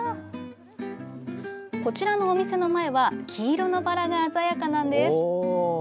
こちらのお店の前は黄色のバラが鮮やかなんです。